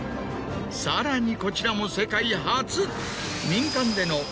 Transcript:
さらにこちらも世界初。